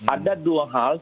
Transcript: ada dua hal